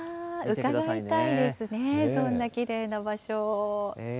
伺いたいですね、そんなきれいな場所。